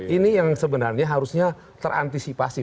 ini yang sebenarnya harusnya terantisipasi